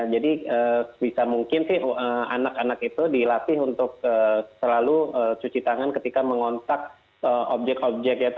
jadi bisa mungkin sih anak anak itu dilatih untuk selalu cuci tangan ketika mengontak objek objek